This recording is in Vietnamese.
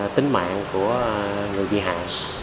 tính mạng của người bị hại